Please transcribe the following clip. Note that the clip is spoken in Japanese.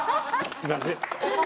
すいません。